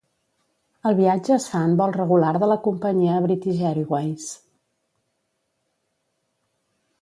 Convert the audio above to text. El viatge es fa en vol regular de la companyia British Airways.